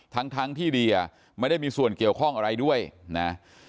ทั้งทั้งที่เดียไม่ได้มีส่วนเกี่ยวข้องอะไรด้วยนะ